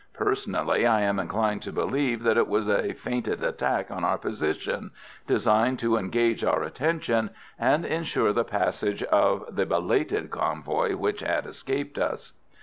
Personally, I am inclined to believe that it was a feinted attack on our position, designed to engage our attention, and ensure the passage of the belated convoy which had escaped us.